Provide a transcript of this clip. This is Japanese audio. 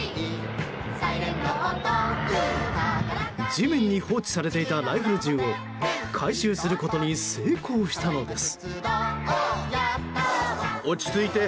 地面に放置されていたライフル銃を回収することに成功したのです。